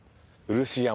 「漆山」